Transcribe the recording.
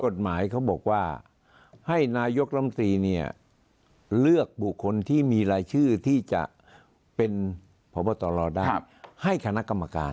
เขาบอกว่าให้นายกรรมตรีเนี่ยเลือกบุคคลที่มีรายชื่อที่จะเป็นพบตรได้ให้คณะกรรมการ